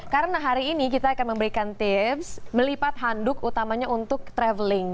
karena hari ini kita akan memberikan tips melipat handuk utamanya untuk travelling